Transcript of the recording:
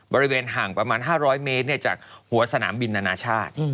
บริเวณห่างประมาณ๕๐๐เมตรจากหัวสนามบินนานาชาติ